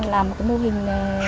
làm một mô hình